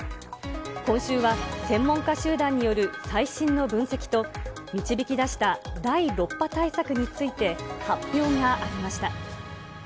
今週は専門家集団による最新の分析と、導き出した第６波対策について、発表がありました。